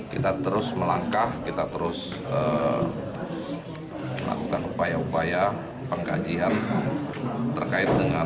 kita terus melangkah kita terus melakukan upaya upaya pengkajian terkait dengan